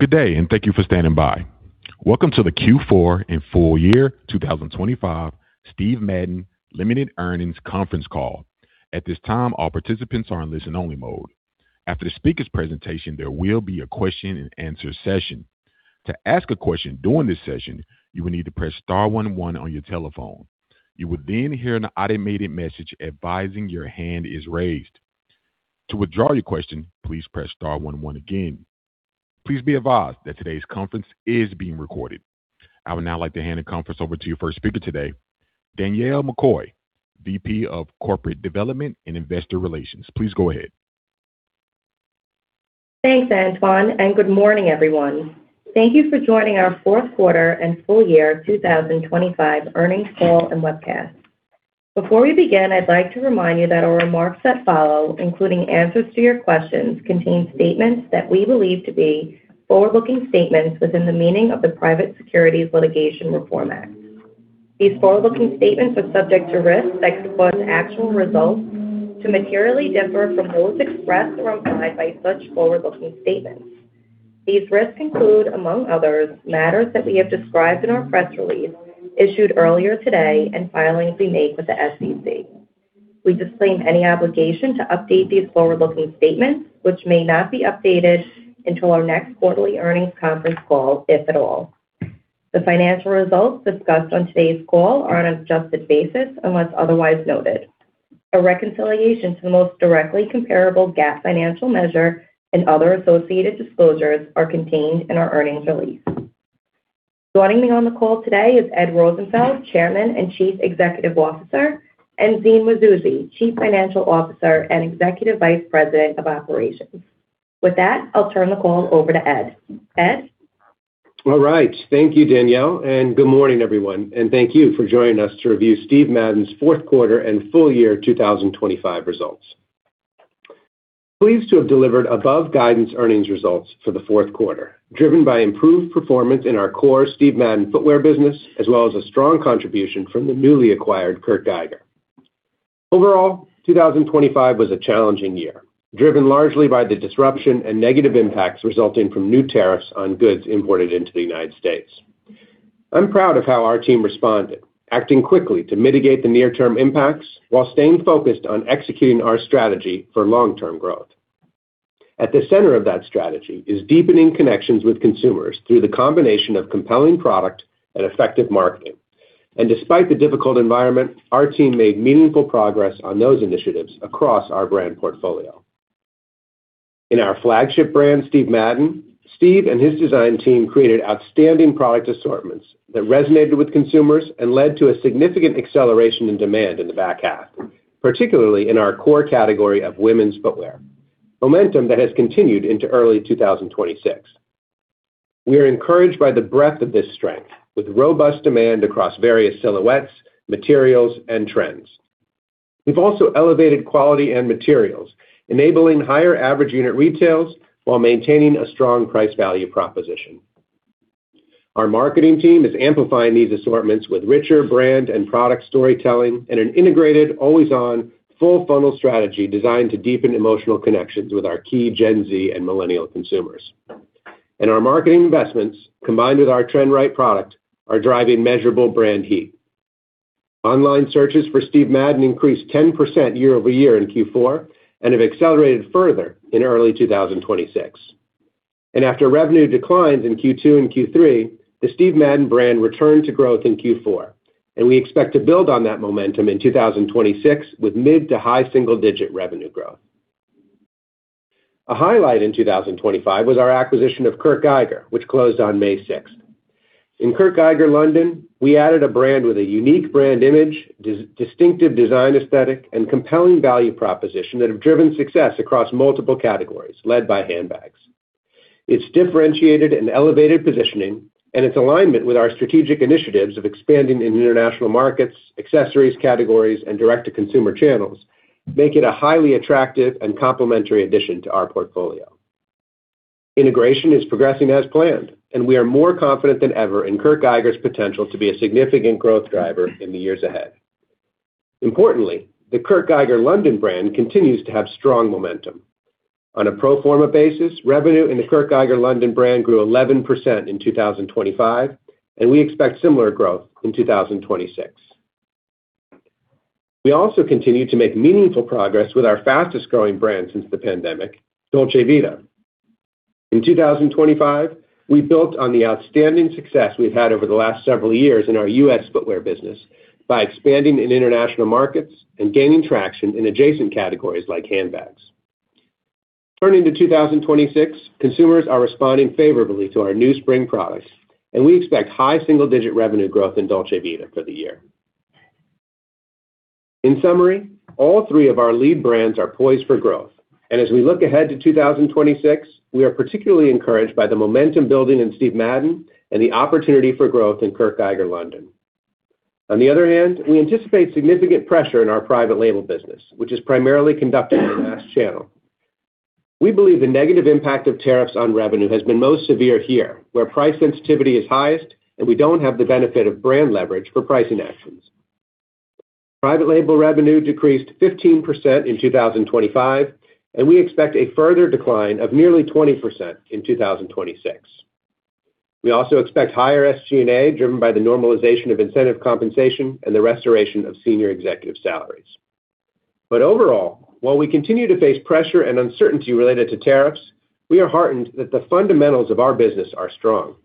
Good day, and thank you for standing by. Welcome to the Q4 and full year 2025 Steve Madden, Ltd. Earnings conference call. At this time, all participants are in listen-only mode. After the speaker's presentation, there will be a question and answer session. To ask a question during this session, you will need to press star one one on your telephone. You will then hear an automated message advising your hand is raised. To withdraw your question, please press star one one again. Please be advised that today's conference is being recorded. I would now like to hand the conference over to your first speaker today, Danielle McCoy, VP of Corporate Development and Investor Relations. Please go ahead. Thanks, Antoine. Good morning, everyone. Thank you for joining our fourth quarter and full year 2025 earnings call and webcast. Before we begin, I'd like to remind you that our remarks that follow, including answers to your questions, contain statements that we believe to be forward-looking statements within the meaning of the Private Securities Litigation Reform Act. These forward-looking statements are subject to risks that cause actual results to materially differ from those expressed or implied by such forward-looking statements. These risks include, among others, matters that we have described in our press release issued earlier today and filings we make with the SEC. We disclaim any obligation to update these forward-looking statements, which may not be updated until our next quarterly earnings conference call, if at all. The financial results discussed on today's call are on an adjusted basis, unless otherwise noted. A reconciliation to the most directly comparable GAAP financial measure and other associated disclosures are contained in our earnings release. Joining me on the call today is Ed Rosenfeld, Chairman and Chief Executive Officer, and Zine Mazouzi, Chief Financial Officer and Executive Vice President of Operations. With that, I'll turn the call over to Ed. Ed? Thank you, Danielle, and good morning, everyone, and thank you for joining us to review Steve Madden's fourth quarter and full year 2025 results. Pleased to have delivered above guidance earnings results for the fourth quarter, driven by improved performance in our core Steve Madden footwear business, as well as a strong contribution from the newly acquired Kurt Geiger. Overall, 2025 was a challenging year, driven largely by the disruption and negative impacts resulting from new tariffs on goods imported into the United States. I'm proud of how our team responded, acting quickly to mitigate the near-term impacts while staying focused on executing our strategy for long-term growth. At the center of that strategy is deepening connections with consumers through the combination of compelling product and effective marketing. Despite the difficult environment, our team made meaningful progress on those initiatives across our brand portfolio. In our flagship brand, Steve Madden, Steve and his design team created outstanding product assortments that resonated with consumers and led to a significant acceleration in demand in the back half, particularly in our core category of women's footwear, momentum that has continued into early 2026. We are encouraged by the breadth of this strength, with robust demand across various silhouettes, materials, and trends. We've also elevated quality and materials, enabling higher average unit retails while maintaining a strong price-value proposition. Our marketing team is amplifying these assortments with richer brand and product storytelling and an integrated, always-on, full-funnel strategy designed to deepen emotional connections with our key Gen Z and millennial consumers. Our marketing investments, combined with our trend-right product, are driving measurable brand heat. Online searches for Steve Madden increased 10% year-over-year in Q4 and have accelerated further in early 2026. After revenue declines in Q2 and Q3, the Steve Madden brand returned to growth in Q4, and we expect to build on that momentum in 2026, with mid to high single-digit revenue growth. A highlight in 2025 was our acquisition of Kurt Geiger, which closed on May 6. In Kurt Geiger London, we added a brand with a unique brand image, distinctive design aesthetic, and compelling value proposition that have driven success across multiple categories, led by handbags. Its differentiated and elevated positioning and its alignment with our strategic initiatives of expanding in international markets, accessories, categories, and direct-to-consumer channels make it a highly attractive and complementary addition to our portfolio. Integration is progressing as planned, and we are more confident than ever in Kurt Geiger's potential to be a significant growth driver in the years ahead. Importantly, the Kurt Geiger London brand continues to have strong momentum. On a pro forma basis, revenue in the Kurt Geiger London brand grew 11% in 2025, and we expect similar growth in 2026. We also continue to make meaningful progress with our fastest-growing brand since the pandemic, Dolce Vita. In 2025, we built on the outstanding success we've had over the last several years in our US footwear business by expanding in international markets and gaining traction in adjacent categories like handbags. Turning to 2026, consumers are responding favorably to our new spring products, and we expect high single-digit revenue growth in Dolce Vita for the year. In summary, all three of our lead brands are poised for growth, and as we look ahead to 2026, we are particularly encouraged by the momentum building in Steve Madden and the opportunity for growth in Kurt Geiger London. On the other hand, we anticipate significant pressure in our private label business, which is primarily conducted in the mass channel. We believe the negative impact of tariffs on revenue has been most severe here, where price sensitivity is highest and we don't have the benefit of brand leverage for pricing actions. Private label revenue decreased 15% in 2025. We expect a further decline of nearly 20% in 2026. We also expect higher SG&A, driven by the normalization of incentive compensation and the restoration of senior executive salaries. Overall, while we continue to face pressure and uncertainty related to tariffs, we are heartened that the fundamentals of our business are strong.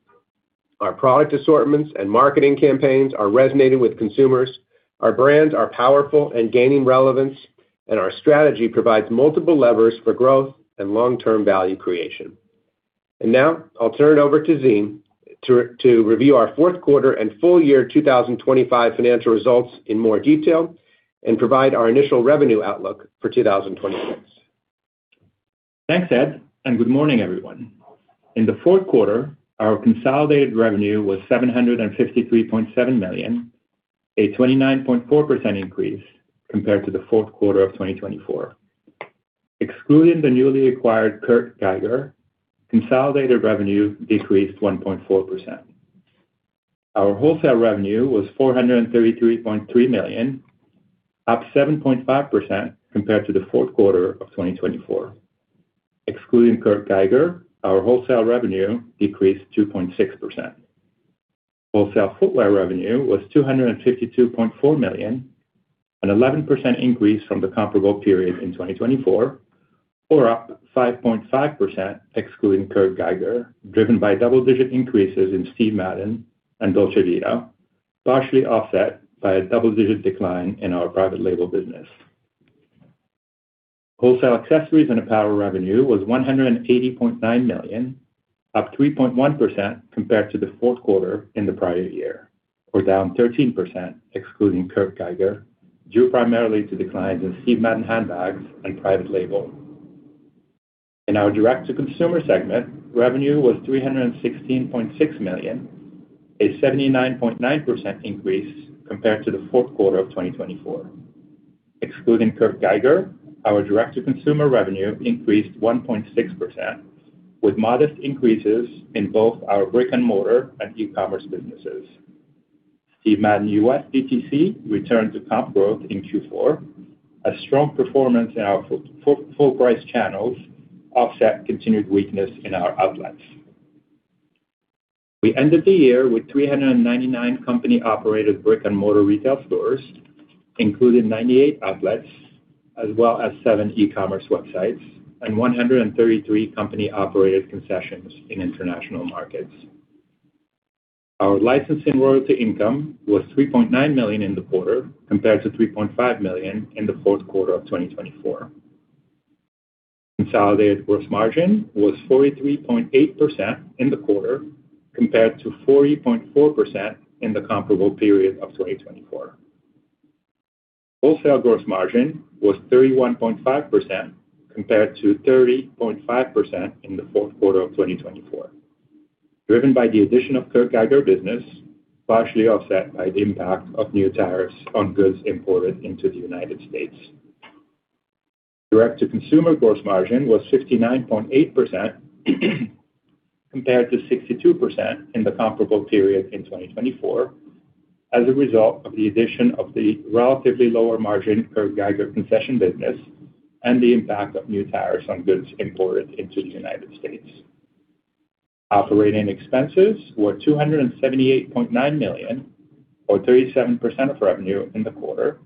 Our product assortments and marketing campaigns are resonating with consumers, our brands are powerful and gaining relevance, and our strategy provides multiple levers for growth and long-term value creation. Now I'll turn it over to Zine to review our fourth quarter and full year 2025 financial results in more detail and provide our initial revenue outlook for 2026. Thanks, Ed. Good morning, everyone. In the fourth quarter, our consolidated revenue was $753.7 million, a 29.4% increase compared to the fourth quarter of 2024. Excluding the newly acquired Kurt Geiger, consolidated revenue decreased 1.4%. Our wholesale revenue was $433.3 million, up 7.5% compared to the fourth quarter of 2024. Excluding Kurt Geiger, our wholesale revenue decreased 2.6%. Wholesale footwear revenue was $252.4 million, an 11% increase from the comparable period in 2024, or up 5.5% excluding Kurt Geiger, driven by double-digit increases in Steve Madden and Dolce Vita, partially offset by a double-digit decline in our private label business. Wholesale accessories and apparel revenue was $180.9 million, up 3.1% compared to the fourth quarter in the prior year, or down 13% excluding Kurt Geiger, due primarily to declines in Steve Madden handbags and private label. In our direct-to-consumer segment, revenue was $316.6 million, a 79.9% increase compared to the fourth quarter of 2024. Excluding Kurt Geiger, our direct-to-consumer revenue increased 1.6%, with modest increases in both our brick-and-mortar and e-commerce businesses. Steve Madden US DTC returned to comp growth in Q4. A strong performance in our full price channels offset continued weakness in our outlets. We ended the year with 399 company-operated brick-and-mortar retail stores, including 98 outlets, as well as seven e-commerce websites and 133 company-operated concessions in international markets. Our licensing royalty income was $3.9 million in the quarter, compared to $3.5 million in the fourth quarter of 2024. Consolidated gross margin was 43.8% in the quarter, compared to 40.4% in the comparable period of 2024. Wholesale gross margin was 31.5% compared to 30.5% in the fourth quarter of 2024, driven by the addition of Kurt Geiger business, partially offset by the impact of new tariffs on goods imported into the United States. Direct-to-consumer gross margin was 69.8% compared to 62% in the comparable period in 2024, as a result of the addition of the relatively lower margin Kurt Geiger concession business and the impact of new tariffs on goods imported into the United States. Operating expenses were $278.9 million, or 37% of revenue in the quarter,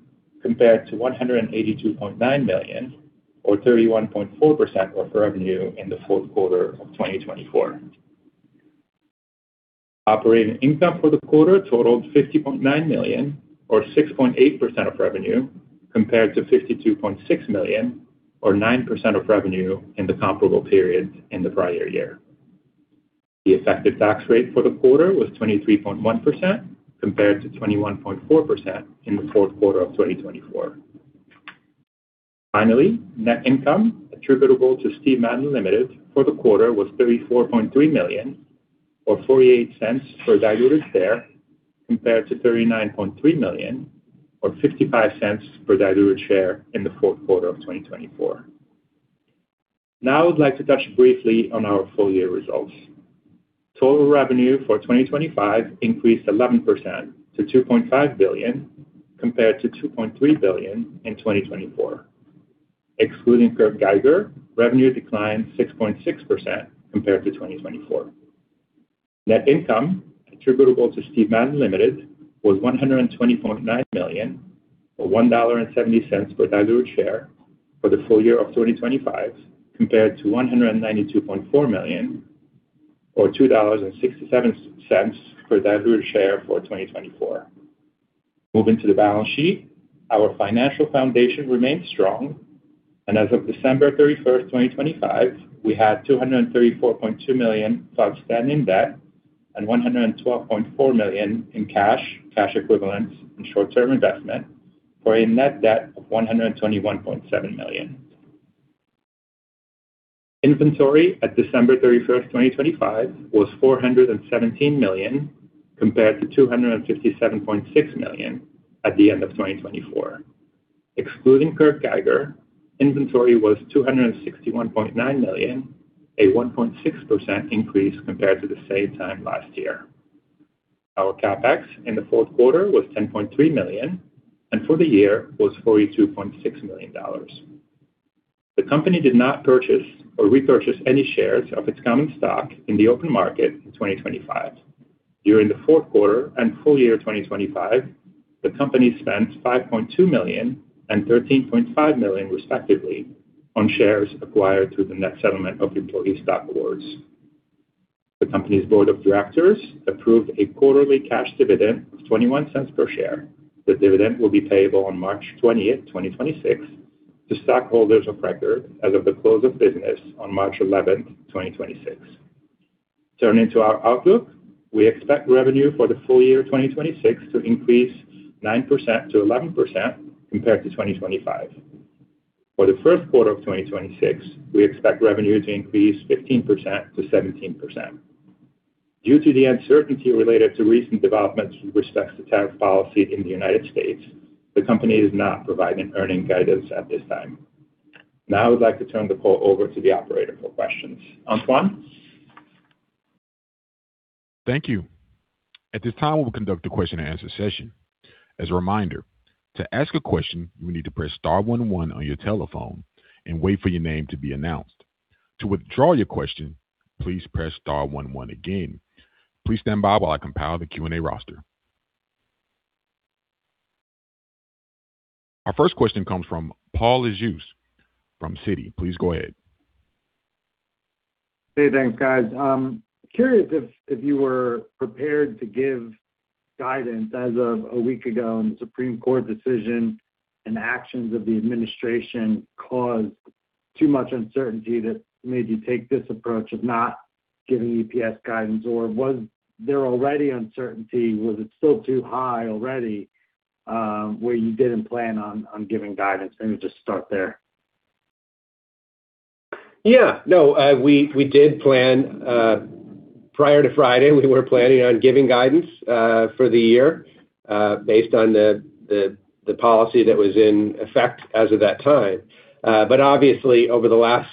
compared to $182.9 million, or 31.4% of revenue in the fourth quarter of 2024. Operating income for the quarter totaled $50.9 million, or 6.8% of revenue, compared to $52.6 million, or 9% of revenue in the comparable period in the prior year. The effective tax rate for the quarter was 23.1%, compared to 21.4% in the fourth quarter of 2024. Finally, net income attributable to Steve Madden, Ltd. for the quarter was $34.3 million, or $0.48 per diluted share, compared to $39.3 million or $0.55 per diluted share in the fourth quarter of 2024. Now I would like to touch briefly on our full-year results. Total revenue for 2025 increased 11% to $2.5 billion, compared to $2.3 billion in 2024. Excluding Kurt Geiger, revenue declined 6.6% compared to 2024. Net income attributable to Steve Madden, Ltd. was $120.9 million, or $1.70 per diluted share for the full year of 2025, compared to $192.4 million, or $2.67 per diluted share for 2024. Moving to the balance sheet, our financial foundation remains strong. As of December 31st, 2025, we had $234.2 million outstanding debt and $112.4 million in cash equivalents, and short-term investment, for a net debt of $121.7 million. Inventory at December 31st, 2025, was $417 million, compared to $257.6 million at the end of 2024. Excluding Kurt Geiger, inventory was $261.9 million, a 1.6% increase compared to the same time last year. Our CapEx in the fourth quarter was $10.3 million. For the year was $42.6 million. The company did not purchase or repurchase any shares of its common stock in the open market in 2025. During the fourth quarter and full year 2025, the company spent $5.2 million and $13.5 million, respectively, on shares acquired through the net settlement of employee stock awards. The company's board of directors approved a quarterly cash dividend of $0.21 per share. The dividend will be payable on March 20th, 2026, to stockholders of record as of the close of business on March 11th, 2026. Turning to our outlook, we expect revenue for the full year 2026 to increase 9%-11% compared to 2025. For the first quarter of 2026, we expect revenue to increase 15%-17%. Due to the uncertainty related to recent developments with respects to tariff policy in the United States, the company is not providing earnings guidance at this time. Now I would like to turn the call over to the operator for questions. Antoine? Thank you. At this time, we'll conduct a question-and-answer session. As a reminder, to ask a question, you will need to press star one one on your telephone and wait for your name to be announced. To withdraw your question, please press star one one again. Please stand by while I compile the Q&A roster. Our first question comes from Paul Lejuez from Citi. Please go ahead. Hey, thanks, guys. Curious if you were prepared to give guidance as of a week ago, and the Supreme Court decision and actions of the administration caused too much uncertainty that made you take this approach of not giving EPS guidance, or was there already uncertainty? Was it still too high already, where you didn't plan on giving guidance? Let me just start there. Yeah. No, we did plan. Prior to Friday, we were planning on giving guidance for the year, based on the policy that was in effect as of that time. Obviously over the last,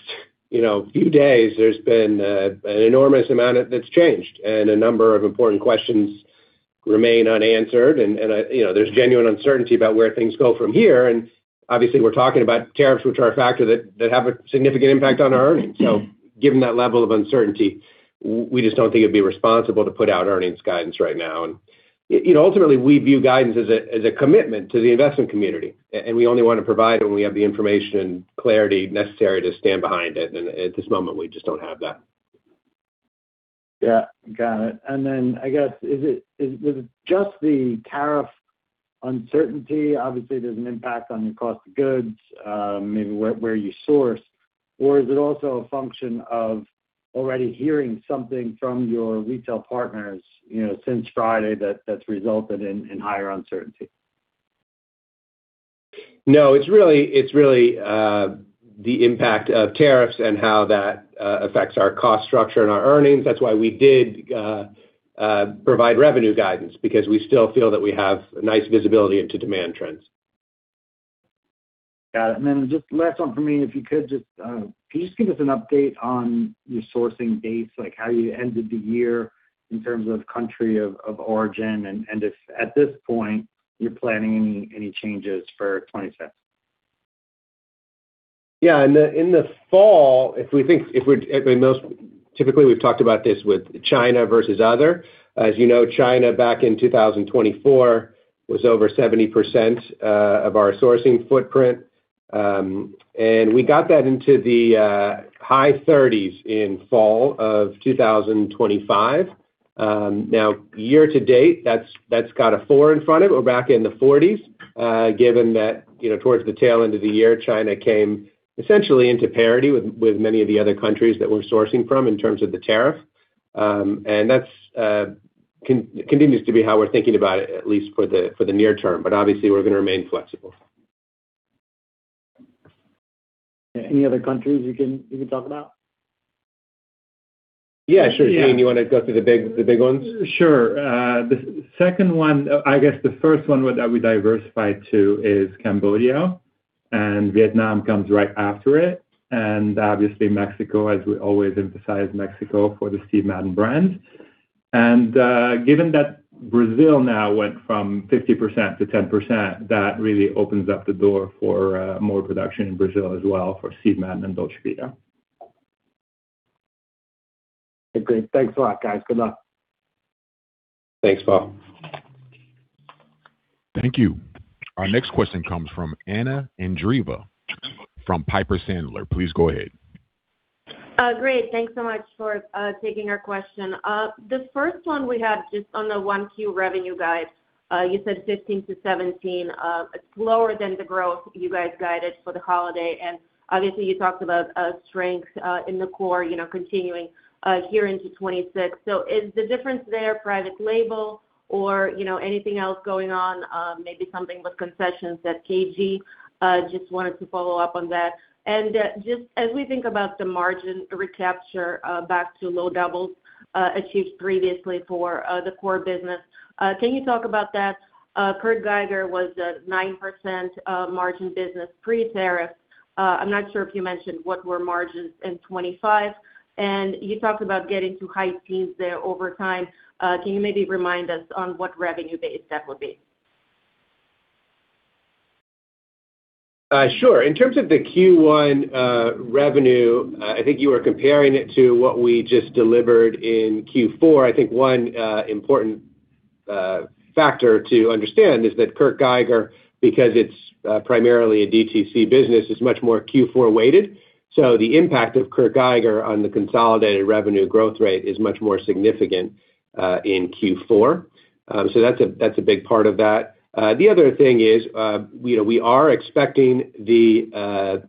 you know, few days, there's been an enormous amount that's changed and a number of important questions remain unanswered. You know, there's genuine uncertainty about where things go from here. Obviously, we're talking about tariffs, which are a factor that have a significant impact on our earnings. Given that level of uncertainty, we just don't think it'd be responsible to put out earnings guidance right now. You know, ultimately, we view guidance as a commitment to the investment community, and we only want to provide when we have the information and clarity necessary to stand behind it. At this moment, we just don't have that. Yeah. Got it. I guess, is it just the tariff uncertainty? Obviously, there's an impact on your cost of goods, maybe where you source, or is it also a function of already hearing something from your retail partners, you know, since Friday that's resulted in higher uncertainty? It's really the impact of tariffs and how that affects our cost structure and our earnings. That's why we did provide revenue guidance, because we still feel that we have a nice visibility into demand trends. Got it. Then just last one for me, if you could just, can you just give us an update on your sourcing dates, like how you ended the year in terms of country of origin, and if at this point, you're planning any changes for 2026? Yeah. In the, in the fall, if we're, I mean, most typically, we've talked about this with China versus other. As you know, China, back in 2024, was over 70% of our sourcing footprint. We got that into the high 30s in fall of 2025. Now, year to date, that's got a four in front of it. We're back in the 40s, given that, you know, towards the tail end of the year, China came essentially into parity with many of the other countries that we're sourcing from in terms of the tariff. That continues to be how we're thinking about it, at least for the, for the near term. Obviously, we're gonna remain flexible. Any other countries you can talk about? Yeah, sure. Shane, you wanna go through the big, the big ones? Sure. The second one, I guess the first one that we diversified to is Cambodia, and Vietnam comes right after it, and obviously Mexico, as we always emphasize Mexico for the Steve Madden brand. Given that Brazil now went from 50% to 10%, that really opens up the door for, more production in Brazil as well for Steve Madden and Dolce Vita. Okay. Thanks a lot, guys. Good luck. Thanks, Paul. Thank you. Our next question comes from Anna Andreeva, from Piper Sandler. Please go ahead. Great. Thanks so much for taking our question. The first one we had, just on the 1Q revenue guide, you said 15%-17%. It's lower than the growth you guys guided for the holiday, and obviously, you talked about a strength in the core, you know, continuing here into 2026. Is the difference there private label or, you know, anything else going on? Maybe something with concessions at KG? Just wanted to follow up on that. Just as we think about the margin recapture back to low doubles achieved previously for the core business, can you talk about that? Kurt Geiger was a 9% margin business pre-tariff. I'm not sure if you mentioned what were margins in 25%, and you talked about getting to high teens there over time. Can you maybe remind us on what revenue base that would be? Sure. In terms of the Q1 revenue, I think you were comparing it to what we just delivered in Q4. I think one important factor to understand is that Kurt Geiger, because it's primarily a DTC business, is much more Q4 weighted. The impact of Kurt Geiger on the consolidated revenue growth rate is much more significant in Q4. That's a big part of that. The other thing is, we know we are expecting the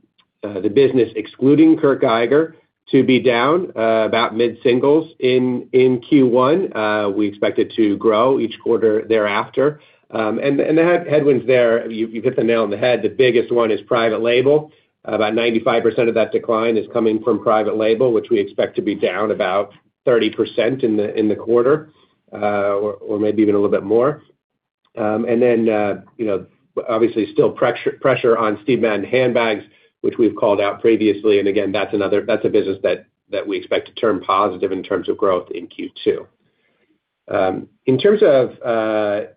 business, excluding Kurt Geiger, to be down about mid-singles in Q1. We expect it to grow each quarter thereafter. The headwinds there, you hit the nail on the head. The biggest one is private label. About 95% of that decline is coming from private label, which we expect to be down about 30% in the quarter, or maybe even a little bit more. Then, you know, obviously, still pressure on Steve Madden handbags, which we've called out previously, and again, that's a business that we expect to turn positive in terms of growth in Q2. In terms of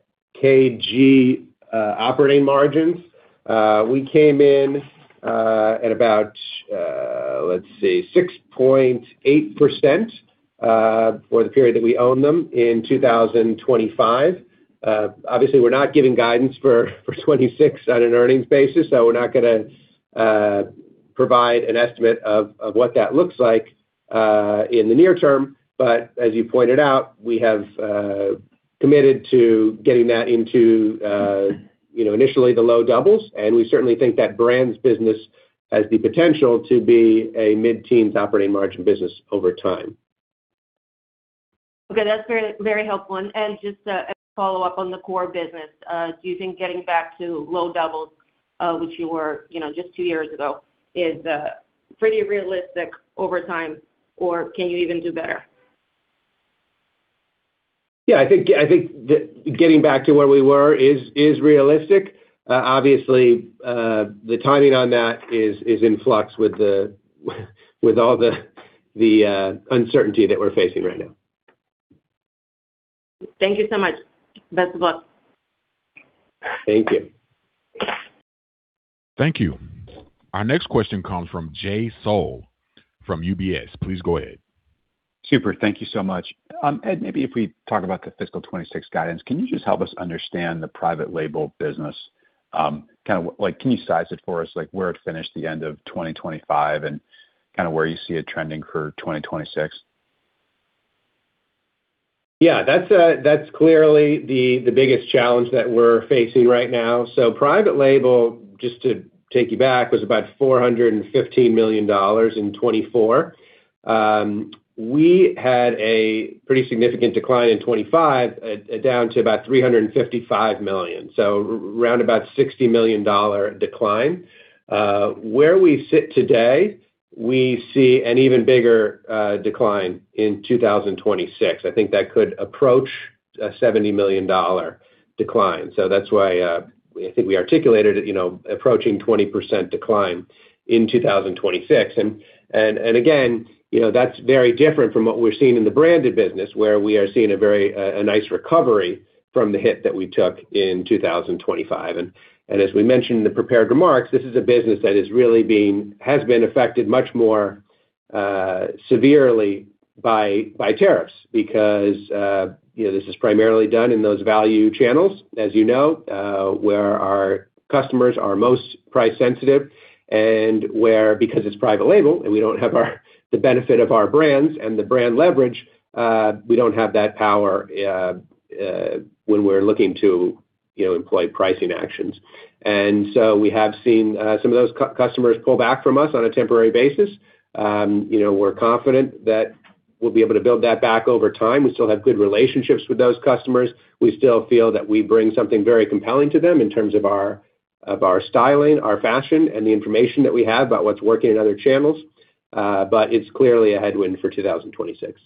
KG operating margins, we came in at about, let's see, 6.8% for the period that we own them in 2025. Obviously, we're not giving guidance for 2026 on an earnings basis, so we're not gonna provide an estimate of what that looks like in the near term. As you pointed out, we have committed to getting that into, you know, initially the low doubles, and we certainly think that brands business has the potential to be a mid-teens operating margin business over time. Okay, that's very, very helpful. Just a follow-up on the core business. Do you think getting back to low doubles, which you were, you know, just two years ago, is pretty realistic over time, or can you even do better? I think getting back to where we were is realistic. Obviously, the timing on that is in flux with all the uncertainty that we're facing right now. Thank you so much. Best of luck. Thank you. Thank you. Our next question comes from Jay Sole from UBS. Please go ahead. Super. Thank you so much. Ed, maybe if we talk about the fiscal 2026 guidance, can you just help us understand the private label business? kind of, like, can you size it for us, like, where it finished the end of 2025 and kind of where you see it trending for 2026? Yeah, that's clearly the biggest challenge that we're facing right now. Private label, just to take you back, was about $415 million in 2024. We had a pretty significant decline in 2025, down to about $355 million, so round about $60 million decline. Where we sit today, we see an even bigger decline in 2026. I think that could approach a $70 million decline. That's why I think we articulated, you know, approaching 20% decline in 2026. Again, you know, that's very different from what we're seeing in the branded business, where we are seeing a very nice recovery from the hit that we took in 2025. As we mentioned in the prepared remarks, this is a business that really has been affected much more severely by tariffs because, you know, this is primarily done in those value channels, as you know, where our customers are most price sensitive and where, because it's private label and we don't have the benefit of our brands and the brand leverage, we don't have that power when we're looking to, you know, employ pricing actions. So we have seen some of those customers pull back from us on a temporary basis. You know, we're confident that we'll be able to build that back over time. We still have good relationships with those customers. We still feel that we bring something very compelling to them in terms of our, of our styling, our fashion, and the information that we have about what's working in other channels. It's clearly a headwind for 2026.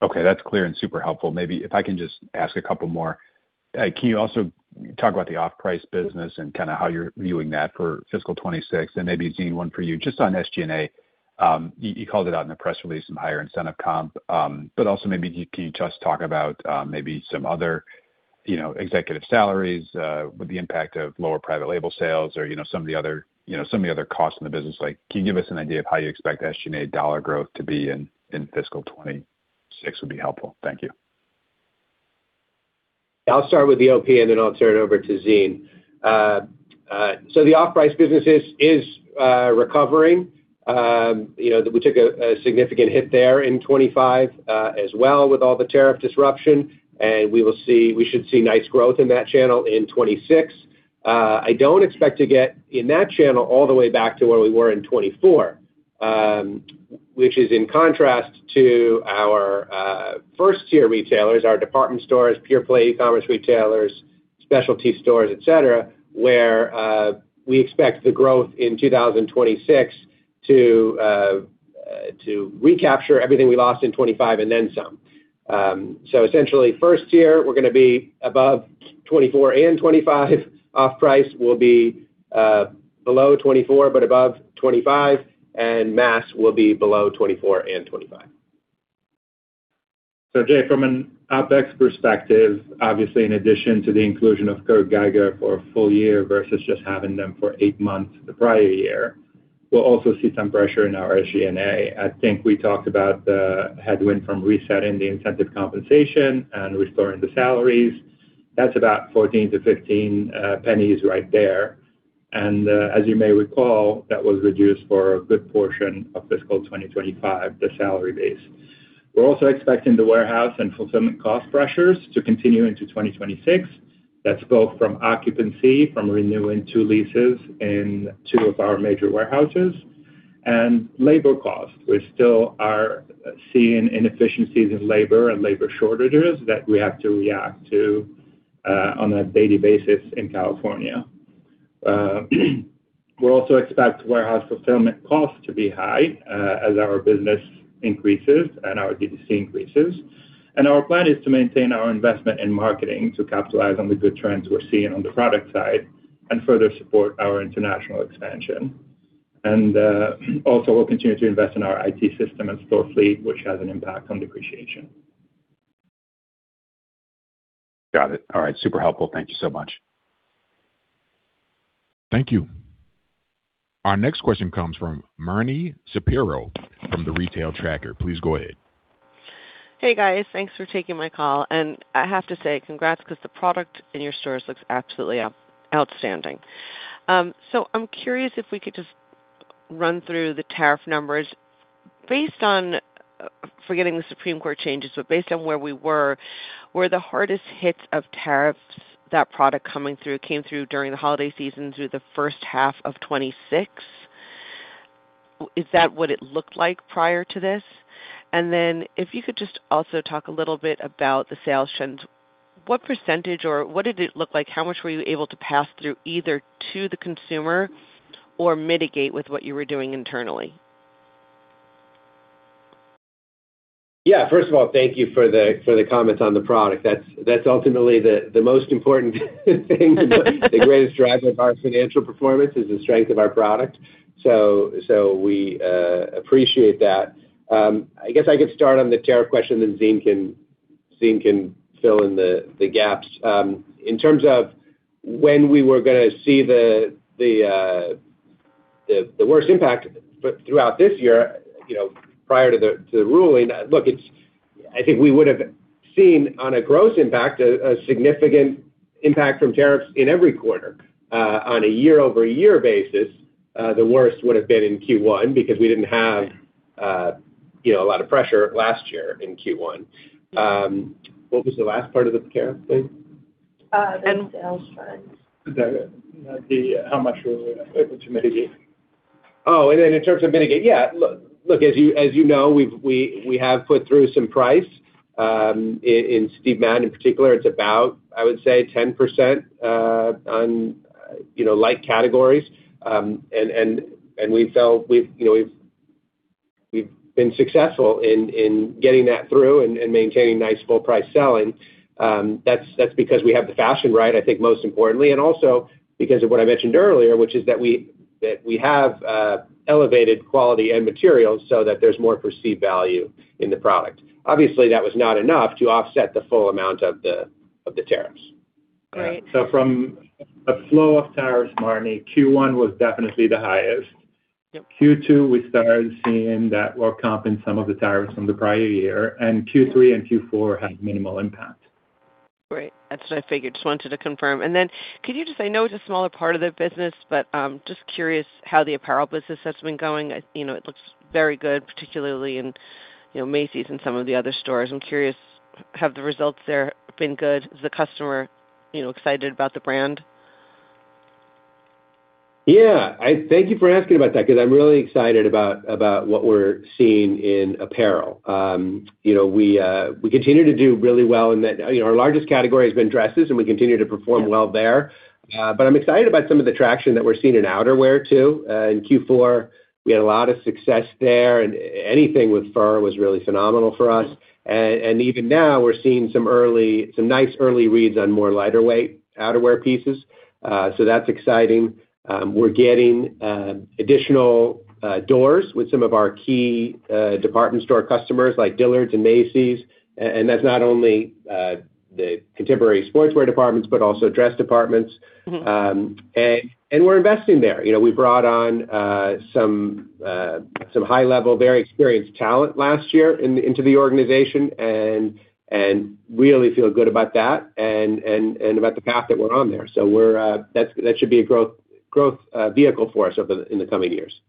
Okay, that's clear and super helpful. Maybe if I can just ask a couple more. Can you also talk about the off-price business and kind of how you're viewing that for fiscal 2026? Maybe, Zene, one for you, just on SG&A. You called it out in the press release, some higher incentive comp, but also maybe can you just talk about, maybe some other, you know, executive salaries, with the impact of lower private label sales or, you know, some of the other costs in the business? Like, can you give us an idea of how you expect SG&A dollar growth to be in fiscal 2026 would be helpful. Thank you. I'll start with the OP, and then I'll turn it over to Zine. The off-price business is recovering. You know, we took a significant hit there in 25 as well, with all the tariff disruption, and we should see nice growth in that channel in 26. I don't expect to get, in that channel, all the way back to where we were in 24, which is in contrast to our first-tier retailers, our department stores, pure-play e-commerce retailers, specialty stores, et cetera, where we expect the growth in 2026 to recapture everything we lost in 25 and then some. Essentially first tier, we're gonna be above 24 and 25. Off-price will be below 24, but above 25, and mass will be below 24 and 25. Jay, from an OpEx perspective, obviously, in addition to the inclusion of Kurt Geiger for a full year versus just having them for eight months the prior year, we'll also see some pressure in our SG&A. I think we talked about the headwind from resetting the incentive compensation and restoring the salaries. That's about $0.14-$0.15 right there. As you may recall, that was reduced for a good portion of fiscal 2025, the salary base. We're also expecting the warehouse and fulfillment cost pressures to continue into 2026. That's both from occupancy, from renewing two leases in two of our major warehouses, and labor costs. We still are seeing inefficiencies in labor and labor shortages that we have to react to on a daily basis in California. We also expect warehouse fulfillment costs to be high, as our business increases and our DTC increases. Our plan is to maintain our investment in marketing to capitalize on the good trends we're seeing on the product side and further support our international expansion. Also, we'll continue to invest in our IT system and store fleet, which has an impact on depreciation. Got it. All right, super helpful. Thank you so much. Thank you. Our next question comes from Marni Shapiro from The Retail Tracker. Please go ahead. Hey, guys. Thanks for taking my call. I have to say congrats, 'cause the product in your stores looks absolutely outstanding. I'm curious if we could just run through the tariff numbers. Based on, forgetting the Supreme Court changes, but based on where we were the hardest hits of tariffs, that product coming through, came through during the holiday season through the first half of 2026? Is that what it looked like prior to this? If you could just also talk a little bit about the sales trends. What % or what did it look like? How much were you able to pass through either to the consumer or mitigate with what you were doing internally? Yeah, first of all, thank you for the comments on the product. That's ultimately the most important thing, the greatest driver of our financial performance is the strength of our product. We appreciate that. I guess I could start on the tariff question, then Zine can fill in the gaps. In terms of when we were gonna see the worst impact for throughout this year, you know, prior to the ruling. Look, I think we would have seen, on a gross impact, a significant impact from tariffs in every quarter. On a year-over-year basis, the worst would have been in Q1 because we didn't have, you know, a lot of pressure last year in Q1. What was the last part of the tariff thing? sales trends. The how much we were able to mitigate. In terms of mitigate, yeah. As you know, we have put through some price in Steve Madden, in particular, it's about, I would say, 10%, on, you know, light categories. We felt we've been successful in getting that through and maintaining nice full price selling. That's because we have the fashion right, I think, most importantly, because of what I mentioned earlier, which is that we have elevated quality and materials so that there's more perceived value in the product. Obviously, that was not enough to offset the full amount of the tariffs. Right. From a flow of tariffs, Marni, Q1 was definitely the highest. Yep. Q2, we started seeing that work comp in some of the tariffs from the prior year. Q3 and Q4 had minimal impact. Great. That's what I figured. Just wanted to confirm. I know it's a smaller part of the business, but, just curious how the apparel business has been going. You know, it looks very good, particularly in, you know, Macy's and some of the other stores. I'm curious, have the results there been good? Is the customer, you know, excited about the brand? Yeah. I thank you for asking about that because I'm really excited about what we're seeing in apparel. You know, we continue to do really well. You know, our largest category has been dresses, we continue to perform well there. I'm excited about some of the traction that we're seeing in outerwear, too. In Q4, we had a lot of success there, anything with fur was really phenomenal for us. Even now, we're seeing some nice early reads on more lighter weight outerwear pieces. That's exciting. We're getting additional doors with some of our key department store customers like Dillard's and Macy's. That's not only the contemporary sportswear departments, but also dress departments. Mm-hmm. We're investing there. You know, we brought on some high-level, very experienced talent last year into the organization and really feel good about that and about the path that we're on there. We're... That should be a growth vehicle for us over the, in the coming years.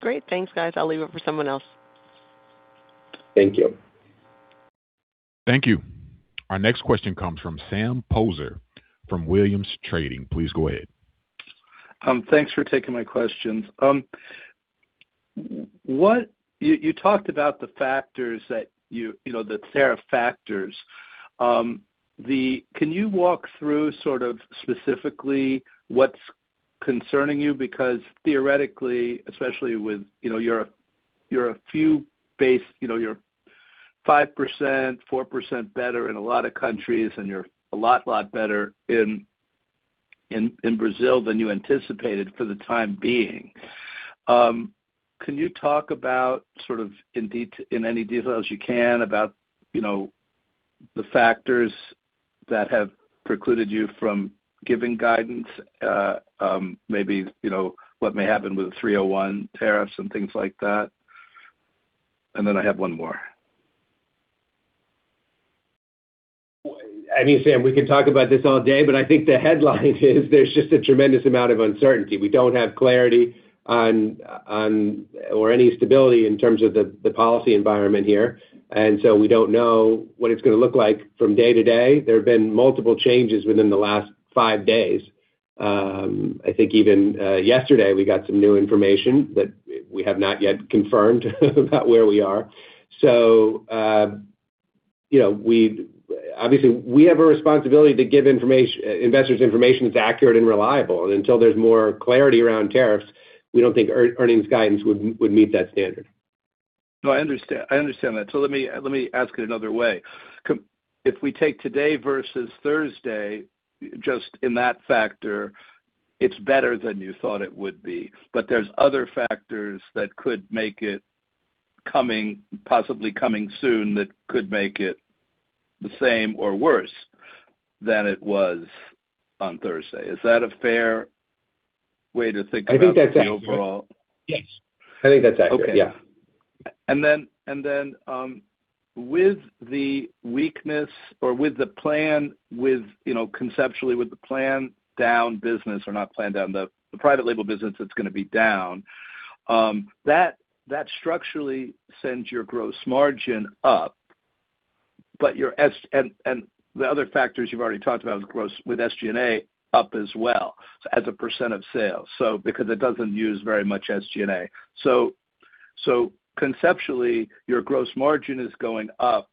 Great. Thanks, guys. I'll leave it for someone else. Thank you. Thank you. Our next question comes from Sam Poser from Williams Trading. Please go ahead. Thanks for taking my questions. What... You talked about the factors that you know, the tariff factors. Can you walk through sort of specifically what's concerning you? Because theoretically, especially with, you know, you're a, you're a few base, you know, you're 5%, 4% better in a lot of countries, and you're a lot better in Brazil than you anticipated for the time being. Can you talk about sort of in any detail as you can, about, you know, the factors that have precluded you from giving guidance, maybe, you know, what may happen with the Section 301 tariffs and things like that? I have one more. I mean, Sam, we can talk about this all day. I think the headline is there's just a tremendous amount of uncertainty. We don't have clarity on or any stability in terms of the policy environment here. We don't know what it's gonna look like from day to day. There have been multiple changes within the last five days. I think even yesterday, we got some new information that we have not yet confirmed, about where we are. You know, obviously, we have a responsibility to give investors information that's accurate and reliable. Until there's more clarity around tariffs, we don't think earnings guidance would meet that standard. No, I understand, I understand that. Let me ask it another way. If we take today versus Thursday, just in that factor, it's better than you thought it would be. There's other factors that could make it possibly coming soon, that could make it the same or worse than it was on Thursday. Is that a fair way to think about- I think that's accurate. The overall? Yes, I think that's accurate. Okay. Yeah. Then, with the weakness or with the plan with, you know, conceptually with the planned down business or not planned down, the private label business that's gonna be down, that structurally sends your gross margin up, but the other factors you've already talked about with SG&A, up as well, as a % of sales, because it doesn't use very much SG&A. Conceptually, your gross margin is going up,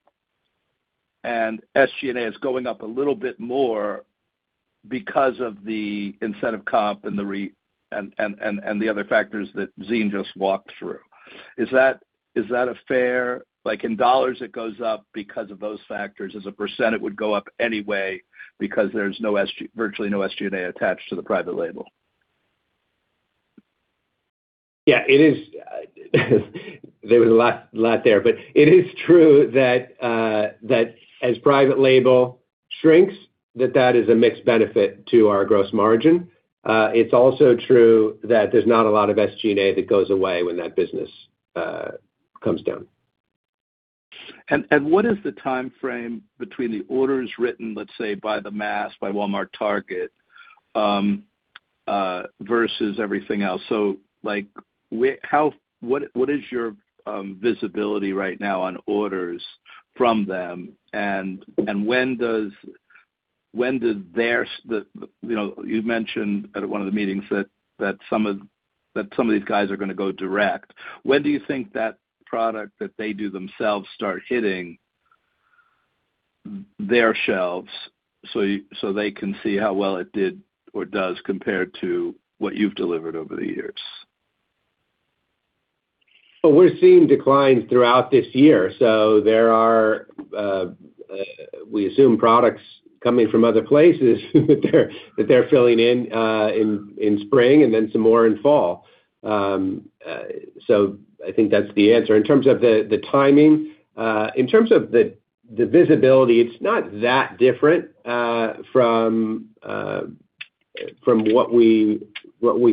and SG&A is going up a little bit more because of the incentive comp and the other factors that Zine just walked through. Is that like, in dollars, it goes up because of those factors? As a %, it would go up anyway because there's virtually no SG&A attached to the private label. Yeah, it is, there was a lot, a lot there. It is true that as private label shrinks, that is a mixed benefit to our gross margin. It's also true that there's not a lot of SG&A that goes away when that business comes down. What is the timeframe between the orders written, let's say, by the mass, by Walmart Target, versus everything else? Like, how, what is your visibility right now on orders from them? When did their, you know, you mentioned at one of the meetings that some of these guys are going to go direct. When do you think that product that they do themselves start hitting their shelves, so they can see how well it did or does, compare to what you've delivered over the years? We're seeing declines throughout this year, so there are, we assume, products coming from other places, that they're filling in spring and then some more in fall. I think that's the answer. In terms of the timing, in terms of the visibility, it's not that different from what we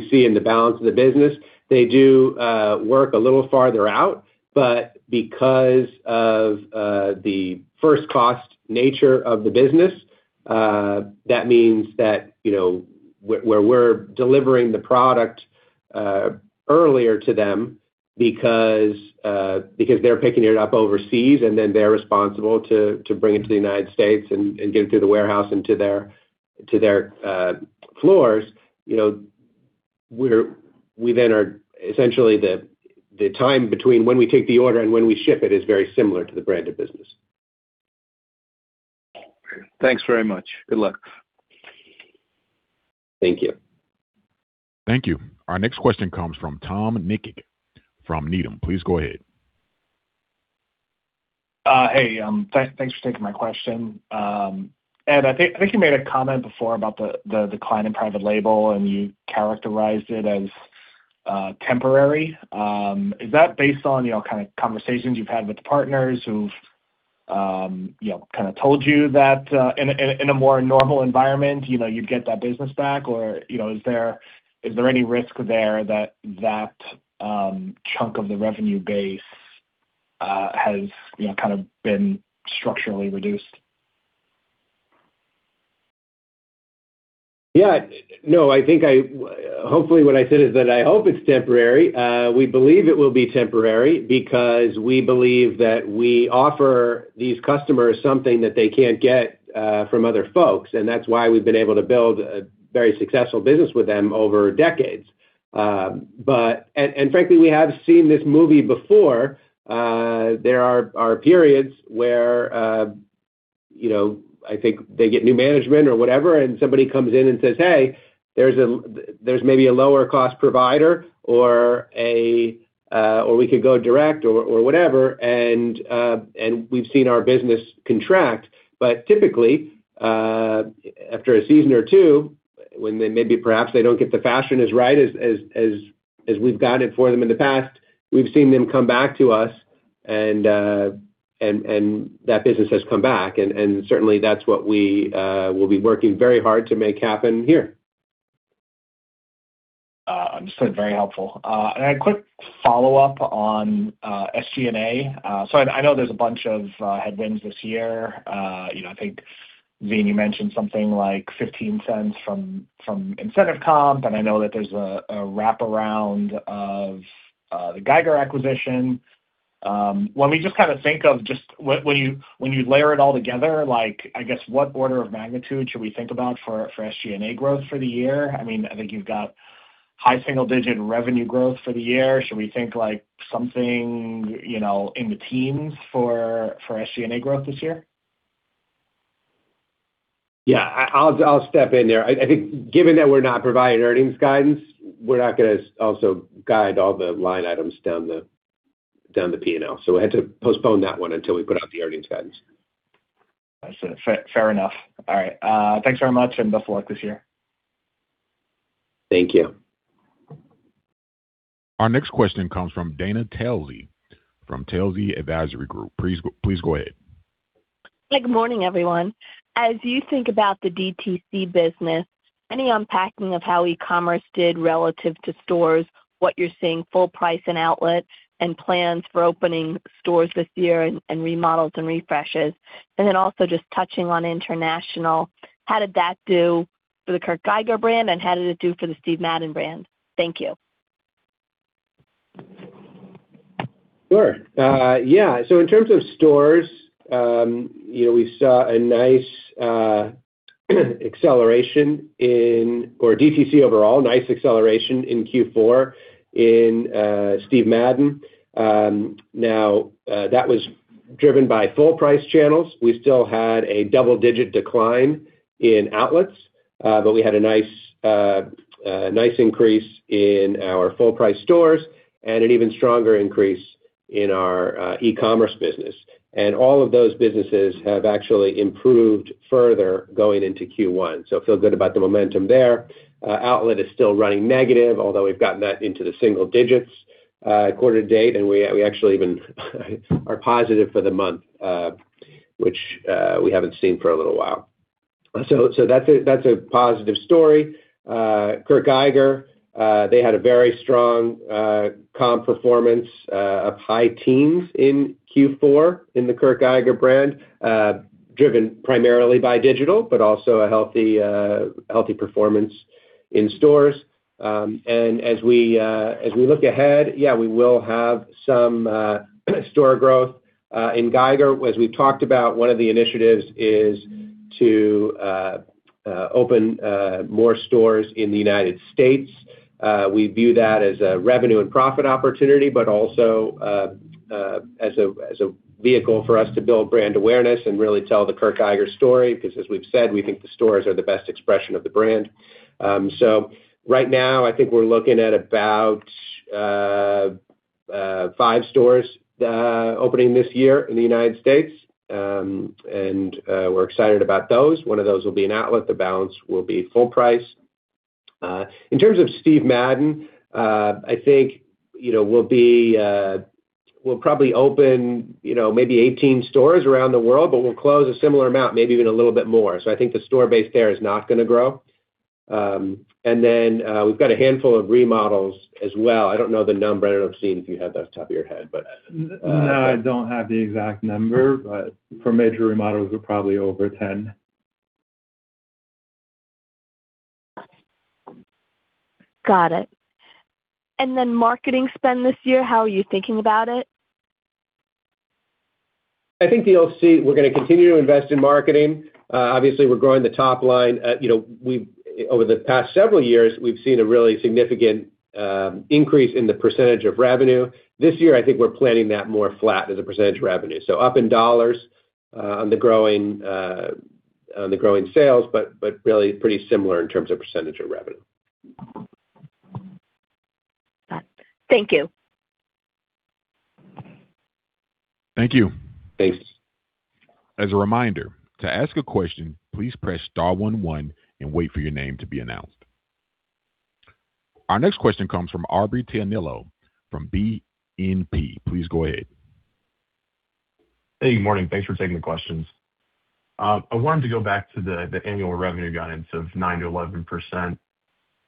see in the balance of the business. They do work a little farther out, but because of the first cost nature of the business, that means that, you know, where we're delivering the product earlier to them because they're picking it up overseas, and then they're responsible to bring it to the United States and get it to the warehouse and to their floors, you know, we then are essentially the time between when we take the order and when we ship it, is very similar to the branded business. Thanks very much. Good luck. Thank you. Thank you. Our next question comes from Tom Nikic, from Needham. Please go ahead. Hey, thanks for taking my question. Ed, I think you made a comment before about the decline in private label, and you characterized it as temporary. Is that based on, you know, kind of conversations you've had with the partners who've, you know, kind of told you that in a more normal environment, you know, you'd get that business back? You know, is there any risk there that that chunk of the revenue base has, you know, kind of been structurally reduced? No, I think hopefully, what I said is that I hope it's temporary. We believe it will be temporary because we believe that we offer these customers something that they can't get from other folks, and that's why we've been able to build a very successful business with them over decades. Frankly, we have seen this movie before. There are periods where, you know, I think they get new management or whatever, and somebody comes in and says, "Hey, there's maybe a lower cost provider or a, or we could go direct or whatever. And we've seen our business contract. Typically, after a season or two, when they maybe perhaps they don't get the fashion as right as we've gotten it for them in the past, we've seen them come back to us and that business has come back, and certainly that's what we will be working very hard to make happen here. Understood. Very helpful. A quick follow-up on SG&A. I know there's a bunch of headwinds this year. you know, I think, Vince, you mentioned something like $0.15 from incentive comp, and I know that there's a wraparound of the Geiger acquisition. When we just kinda think of just what when you, when you layer it all together, like, I guess, what order of magnitude should we think about for SG&A growth for the year? I mean, I think you've got high single-digit revenue growth for the year. Should we think like something, you know, in the teens for SG&A growth this year? Yeah, I'll step in there. I think given that we're not providing earnings guidance, we're not gonna also guide all the line items down the P&L. We'll have to postpone that one until we put out the earnings guidance. That's it. Fair, fair enough. All right, thanks very much, and best of luck this year. Thank you. Our next question comes from Dana Telsey, from Telsey Advisory Group. Please go ahead. Good morning, everyone. As you think about the DTC business, any unpacking of how e-commerce did relative to stores, what you're seeing full price and outlet, and plans for opening stores this year and remodels and refreshes? Then also just touching on international, how did that do for the Kurt Geiger brand, and how did it do for the Steve Madden brand? Thank you. Sure. Yeah, so in terms of stores, you know, we saw a nice acceleration in DTC overall, nice acceleration in Q4 in Steve Madden. Now, that was driven by full price channels. We still had a double-digit decline in outlets, but we had a nice increase in our full price stores and an even stronger increase in our e-commerce business. All of those businesses have actually improved further going into Q1, so I feel good about the momentum there. Outlet is still running negative, although we've gotten that into the single digits, quarter to date, and we actually even are positive for the month, which we haven't seen for a little while. That's a positive story. Kurt Geiger, they had a very strong comp performance of high teens in Q4 in the Kurt Geiger brand, driven primarily by digital, but also a healthy performance in stores. As we look ahead, yeah, we will have some store growth. In Kurt Geiger, as we've talked about, one of the initiatives is to open more stores in the United States. We view that as a revenue and profit opportunity, but also as a vehicle for us to build brand awareness and really tell the Kurt Geiger story, because, as we've said, we think the stores are the best expression of the brand. Right now, I think we're looking at about five stores opening this year in the United States. We're excited about those. One of those will be an outlet, the balance will be full price. In terms of Steve Madden, I think, you know, we'll be... We'll probably open, you know, maybe 18 stores around the world, but we'll close a similar amount, maybe even a little bit more. I think the store base there is not gonna grow. Then, we've got a handful of remodels as well. I don't know the number. I don't know, Steve, if you have that off the top of your head. No, I don't have the exact number, but for major remodels, we're probably over 10. Got it. Marketing spend this year, how are you thinking about it? I think you'll see we're gonna continue to invest in marketing. Obviously, we're growing the top line. You know, over the past several years, we've seen a really significant increase in the percentage of revenue. This year, I think we're planning that more flat as a percentage of revenue. Up in dollars, on the growing, on the growing sales, but really pretty similar in terms of percentage of revenue. Got it. Thank you. Thank you. Thanks. As a reminder, to ask a question, please press star one, and wait for your name to be announced. Our next question comes from Aubrey Tianello from BNP. Please go ahead. Hey, good morning. Thanks for taking the questions. I wanted to go back to the annual revenue guidance of 9%-11%.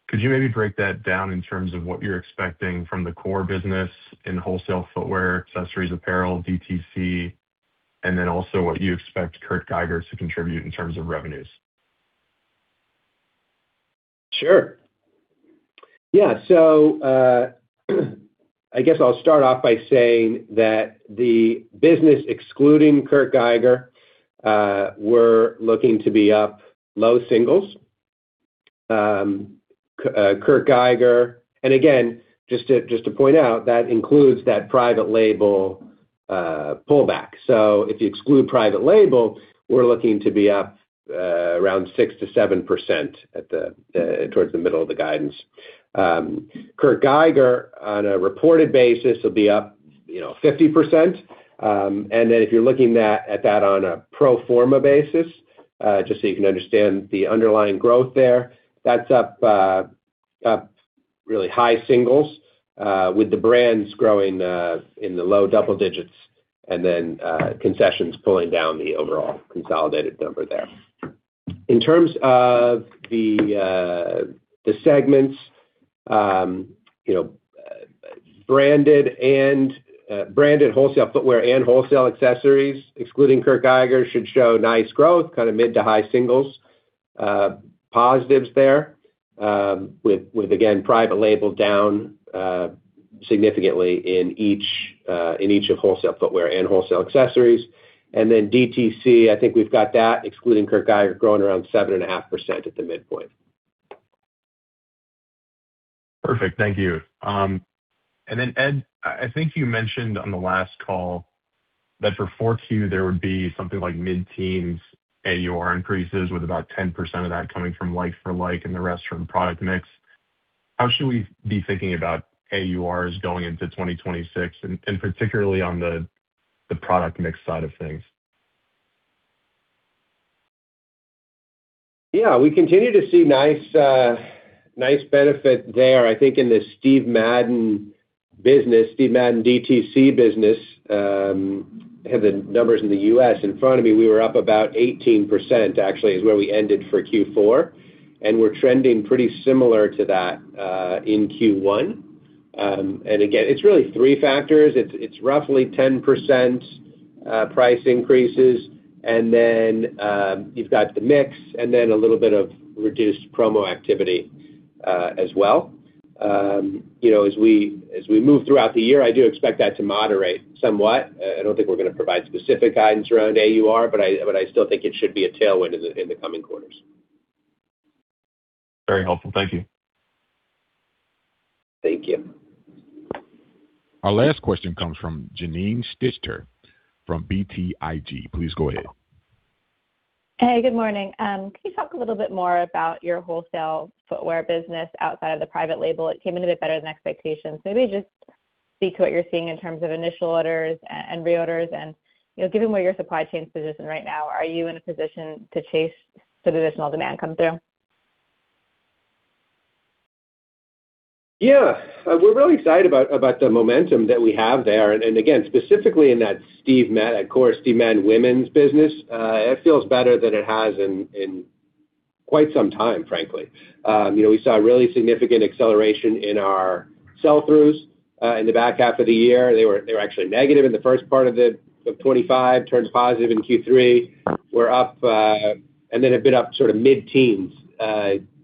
Could you maybe break that down in terms of what you're expecting from the core business in wholesale footwear, accessories, apparel, DTC, then also what you expect Kurt Geiger to contribute in terms of revenues? Sure. Yeah. I guess I'll start off by saying that the business, excluding Kurt Geiger, we're looking to be up low singles. Kurt Geiger. Again, just to, just to point out, that includes that private label pullback. If you exclude private label, we're looking to be up around 6%-7% at the towards the middle of the guidance. Kurt Geiger, on a reported basis, will be up, you know, 50%. Then if you're looking at that on a pro forma basis, just so you can understand the underlying growth there, that's up up really high singles, with the brands growing in the low double digits and concessions pulling down the overall consolidated number there. In terms of the segments, you know, branded and branded wholesale footwear and wholesale accessories, excluding Kurt Geiger, should show nice growth, kind of mid to high singles, positives there, with again, private label down significantly in each of wholesale footwear and wholesale accessories. Then DTC, I think we've got that, excluding Kurt Geiger, growing around 7.5% at the midpoint. Perfect. Thank you. Ed, I think you mentioned on the last call that for Q4, there would be something like mid-teens AUR increases, with about 10% of that coming from like for like and the rest from product mix. How should we be thinking about AURs going into 2026, and particularly on the product mix side of things? Yeah, we continue to see nice benefit there. I think in the Steve Madden business, Steve Madden DTC business, I have the numbers in the U.S. in front of me, we were up about 18%, actually, is where we ended for Q4, and we're trending pretty similar to that, in Q1. Again, it's really three factors. It's roughly 10% price increases, and then, you've got the mix and then a little bit of reduced promo activity as well. You know, as we move throughout the year, I do expect that to moderate somewhat. I don't think we're gonna provide specific guidance around AUR, but I still think it should be a tailwind in the coming quarters. Very helpful. Thank you. Thank you. Our last question comes from Janine Stichter from BTIG. Please go ahead. Hey, good morning. Can you talk a little bit more about your wholesale footwear business outside of the private label? It came in a bit better than expectations. Maybe just speak to what you're seeing in terms of initial orders and reorders. You know, given where your supply chain is positioned right now, are you in a position to chase if additional demand comes through? Yeah. We're really excited about the momentum that we have there. Again, specifically in that Steve Madden, of course, Steve Madden women's business, it feels better than it has in quite some time, frankly. You know, we saw a really significant acceleration in our sell-throughs in the back half of the year. They were actually negative in the first part of the 25, turned positive in Q3. We're up and then have been up sort of mid-teens.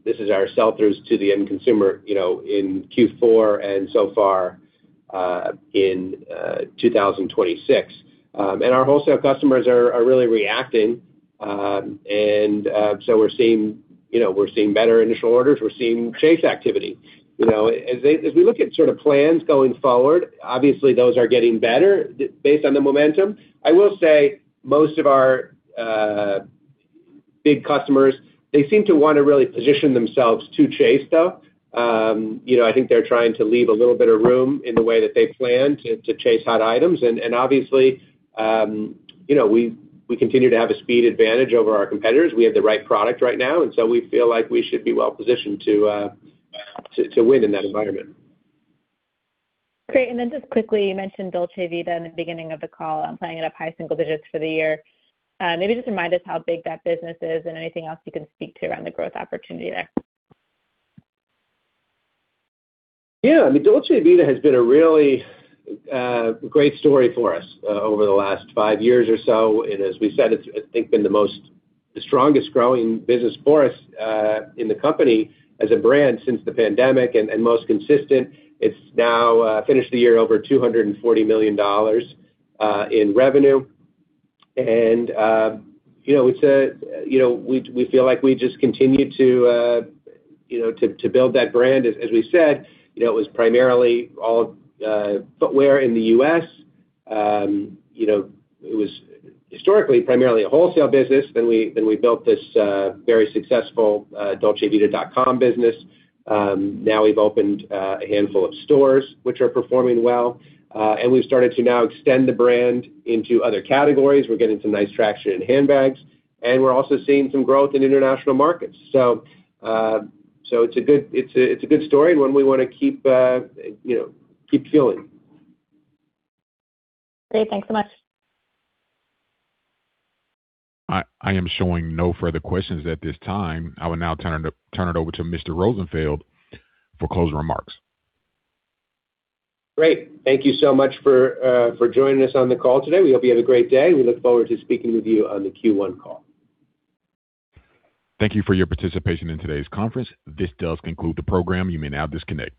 This is our sell-throughs to the end consumer, you know, in Q4 and so far in 2026. Our wholesale customers are really reacting. So we're seeing, you know, we're seeing better initial orders, we're seeing chase activity. You know, as we look at sort of plans going forward, obviously, those are getting better, based on the momentum. I will say most of our big customers, they seem to want to really position themselves to chase, though. You know, I think they're trying to leave a little bit of room in the way that they plan to chase hot items. Obviously, you know, we continue to have a speed advantage over our competitors. We have the right product right now, and so we feel like we should be well positioned to win in that environment. Great. Just quickly, you mentioned Dolce Vita in the beginning of the call on planning it up high single digits for the year. Maybe just remind us how big that business is and anything else you can speak to around the growth opportunity there? I mean, Dolce Vita has been a really great story for us over the last five years or so. As we said, it's I think been the strongest growing business for us in the company as a brand since the pandemic, and most consistent. It's now finished the year over $240 million in revenue. You know, it's a, you know, we feel like we just continue to, you know, to build that brand. As we said, you know, it was primarily all footwear in the U.S. You know, it was historically primarily a wholesale business, then we built this very successful dolcevita.com business. Now we've opened a handful of stores which are performing well, and we've started to now extend the brand into other categories. We're getting some nice traction in handbags, and we're also seeing some growth in international markets. It's a good story and one we wanna keep, you know, keep fueling. Great. Thanks so much. I am showing no further questions at this time. I will now turn it over to Mr. Rosenfeld for closing remarks. Great. Thank you so much for joining us on the call today. We hope you have a great day. We look forward to speaking with you on the Q1 call. Thank you for your participation in today's conference. This does conclude the program. You may now disconnect.